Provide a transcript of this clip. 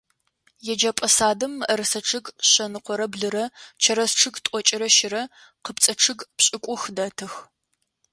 Еджэпӏэ садым мыӏэрысэ чъыг шъэныкъорэ блырэ, чэрэз чъыг тӏокӏырэ щырэ, къыпцӏэ чъыг пшӏыкӏух дэтых.